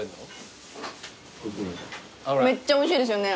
めっちゃおいしいですよね。